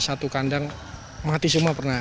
satu kandang mati semua pernah